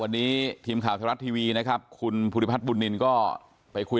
วันนี้ทีมข่าวไทยรัฐทีวีนะครับคุณภูริพัฒนบุญนินก็ไปคุย